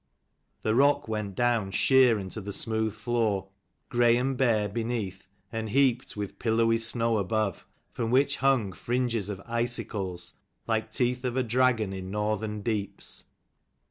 The rock went down sheer into the smooth floor, grey and bare beneath and heaped with pillowy snow above, from which hung fringes of icicles, like teeth of a dragon in northern deeps.